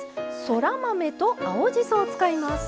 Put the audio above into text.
そら豆と青じそを使います。